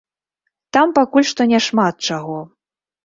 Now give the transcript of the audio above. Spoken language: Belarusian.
Там, пакуль што, няшмат чаго.